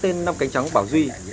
được đặt vào một sân khấu